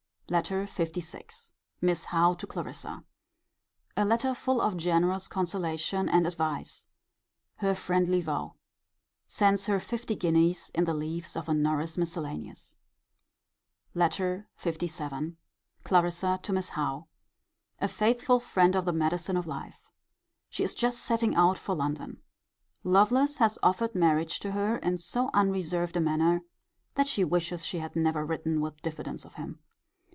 LETTER LVI. Miss Howe to Clarissa. A letter full of generous consolation and advice. Her friendly vow. Sends her fifty guineas in the leaves of a Norris's miscellanies. LETTER LVII. Clarissa to Miss Howe. A faithful friend the medicine of life. She is just setting out for London. Lovelace has offered marriage to her in so unreserved a manner, that she wishes she had never written with diffidence of him.